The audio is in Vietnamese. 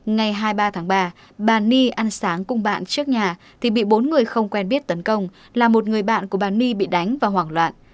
ngày hai mươi ba tháng ba bà ni ăn sáng cùng bạn trước nhà thì bị bốn người không quen biết tấn công là một người bạn của bà my bị đánh và hoảng loạn